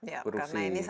ya karena ini sangat kursi